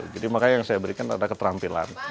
jadi makanya yang saya berikan adalah keterampilan